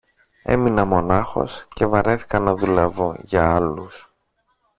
έμεινα μονάχος και βαρέθηκα να δουλεύω για άλλους.